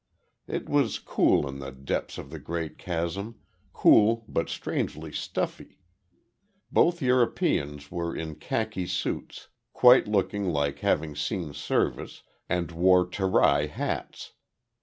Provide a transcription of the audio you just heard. It was cool in the depths of the great chasm, cool but strangely stuffy. Both Europeans were in khaki suits, quite looking like having seen service, and wore Terai hats.